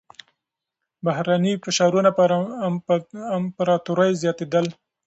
بهرني فشارونه پر امپراتورۍ زياتېدل.